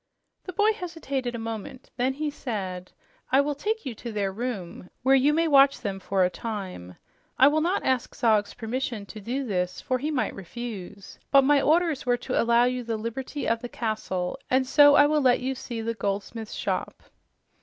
The boy hesitated a moment. Then he said, "I will take you to their room, where you may watch them for a time. I will not ask Zog's permission to do this, for he might refuse. But my orders were to allow you the liberty of the castle, and so I will let you see the goldsmiths' shop."